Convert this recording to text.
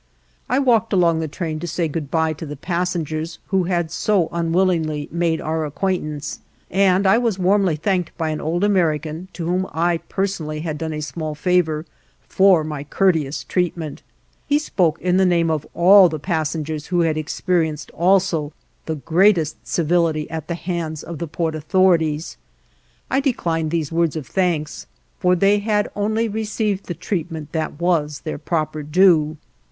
I walked along the train to say goodbye to the passengers, who had so unwillingly made our acquaintance, and I was warmly thanked by an old American, to whom I personally had done a small favor, for my courteous treatment; he spoke in the name of all the passengers who had experienced also the greatest civility at the hands of the port authorities. I declined these words of thanks, for they had only received the treatment that was their proper due.